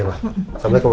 ya ma assalamualaikum ma